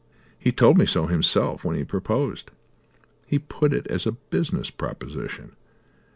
He told me so himself when he proposed. He put it as a business proposition.